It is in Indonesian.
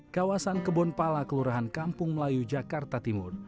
kawasan kebon pala kelurahan kampung melayu jakarta timur